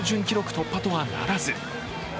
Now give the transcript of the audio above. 突破とはならず。